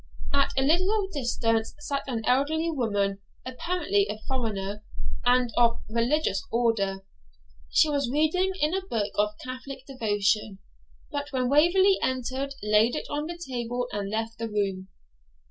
At a little distance sat an elderly woman, apparently a foreigner, and of a religious order. She was reading in a book of Catholic devotion, but when Waverley entered laid it on the table and left the room.